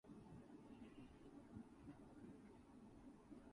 Omowaye posited that political will is the major driver of economic necessities.